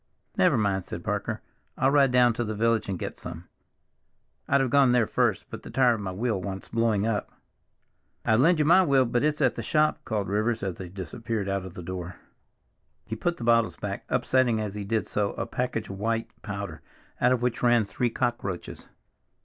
"Never mind," said Parker. "I'll ride down to the village and get some. I'd have gone there first, but the tire of my wheel wants blowing up." "I'd lend you my wheel, but it's at the shop," called Rivers as they disappeared out of the door. He put the bottles back, upsetting, as he did so, a package of some white powder, out of which ran three cockroaches.